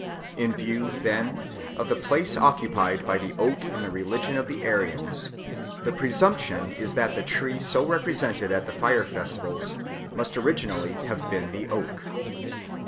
In view, then, of the place occupied by the oak in the religion of the Aryans, the presumption is that the tree so represented at the fire festivals must originally have been the oak.